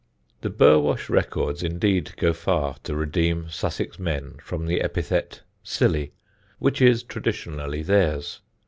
The Burwash records indeed go far to redeem Sussex men from the epithet "silly," which is traditionally theirs.